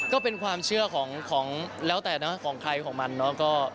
ก็เป็นความเชื่อของแล้วแต่เนอะของใครของมันเนาะ